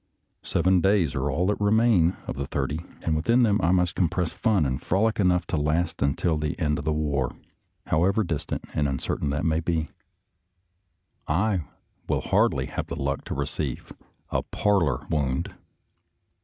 Seven days are all that remain of the thirty, and within them I must compress fun and frolic enough to last until the end of the A THIRTY DAY FURLOUGH 225 war, however distant and uncertain that may be. I will hardly have the luck to receive a " parlor wound."